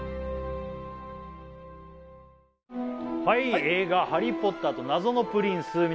はい映画「ハリー・ポッターと謎のプリンス」